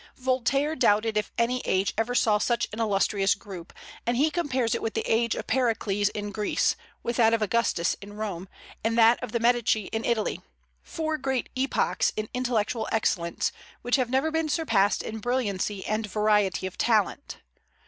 Voltaire doubted if any age ever saw such an illustrious group, and he compares it with the age of Pericles in Greece, with that of Augustus in Rome, and that of the Medici in Italy, four great epochs in intellectual excellence, which have never been surpassed in brilliancy and variety of talent.